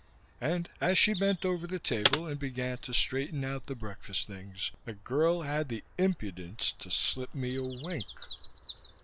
And as she bent over the table and began to straighten out the breakfast things, the girl had the impudence to slip me a wink.